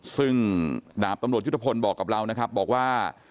ซึ่งดาบตำรวจยุทธพลบอกกับเรานะครับบอกว่า